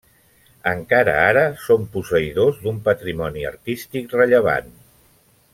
Encara ara són posseïdors d'un patrimoni artístic rellevant.